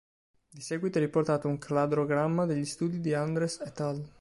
Di seguito è riportato un cladogramma degli studi di Andres et al.